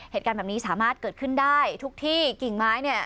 เหตุการณ์แบบนี้สามารถเกิดขึ้นได้ทุกที่กิ่งไม้เนี่ย